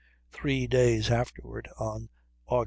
Three days afterward, on Aug.